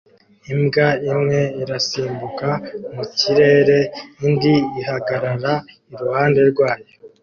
Imbwa imwe irasimbuka mu kirere indi ihagarara iruhande rwayo